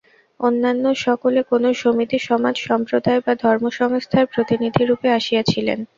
অন্যান্য সকলে কোন সমিতি, সমাজ, সম্প্রদায় বা ধর্মসংস্থার প্রতিনিধিরূপে আসিয়াছিলেন।